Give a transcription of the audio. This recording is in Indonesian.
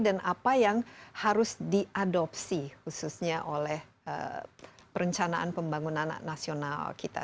dan apa yang harus diadopsi khususnya oleh perencanaan pembangunan nasional kita